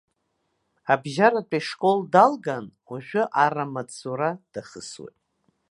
Абжьаратәи ашкол далган, уажәы аррамаҵзура дахысуеит.